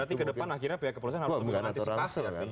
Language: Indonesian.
berarti ke depan akhirnya pihak kepolisian harus mencari antisipasi artinya